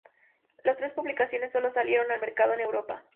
Las tres publicaciones solo salieron al mercado en Europa.